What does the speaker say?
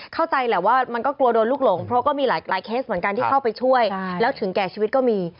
เข้าใจแหละว่ามันก็กลัวโดนลูกหลงเพราะก็มีหลายเคสเหมือนกันที่เข้าไปช่วยแล้วถึงแก่ชีวิตก็มี